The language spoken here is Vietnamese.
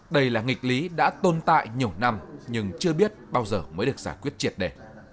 đây là nghịch lý đã tồn tại nhiều năm nhưng chưa biết bao giờ mới được giải quyết triệt đề